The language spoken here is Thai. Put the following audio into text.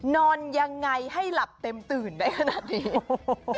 นอนยังไงให้หลับเต็มตื่นได้ขนาดนี้